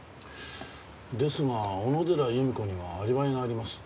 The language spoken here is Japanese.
ですが小野寺由美子にはアリバイがあります。